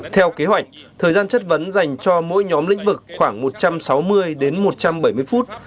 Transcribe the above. theo kế hoạch thời gian chất vấn dành cho mỗi nhóm lĩnh vực khoảng một trăm sáu mươi đến một trăm bảy mươi phút